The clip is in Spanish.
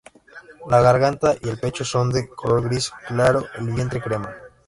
La garganta y el pecho son de color gris claro, el vientre crema.